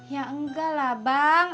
ya enggak lah bang